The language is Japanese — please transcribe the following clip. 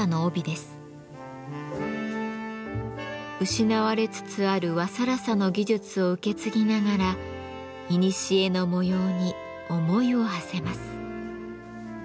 失われつつある和更紗の技術を受け継ぎながらいにしえの模様に思いをはせます。